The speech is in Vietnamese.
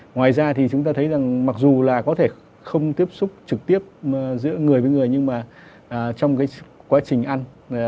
ngoài ra thì chúng ta thấy rằng mặc dù là có thể không tiếp xúc trực tiếp giữa người với người nhưng mà trong cái quá trình ăn